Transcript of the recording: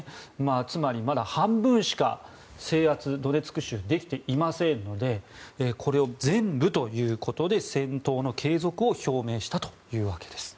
つまり、まだ半分しかドネツク州制圧できていませんのでこれを全部ということで戦闘の継続を表明したというわけです。